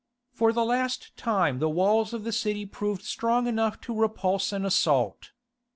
For the last time the walls of the city proved strong enough to repulse an assault.